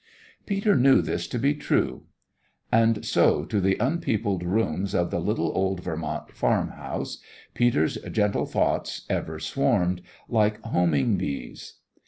Peter knew this to be true. And so to the unpeopled rooms of the little old Vermont farmhouse Peter's gentle thoughts ever swarmed, like homing bees.